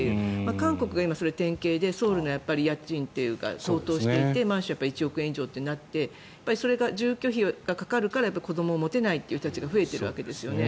韓国が今、典型でソウルの家賃が高騰していてマンションが１億円以上となってそれが住居費がかかるから子どもを持てないという人たちが増えているわけですよね。